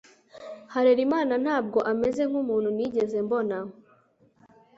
Harerimana ntabwo ameze nkumuntu nigeze mbona.